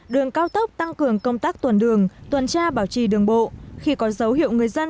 đường cao tốc tăng cường công tác tuần đường tuần tra bảo trì đường bộ khi có dấu hiệu người dân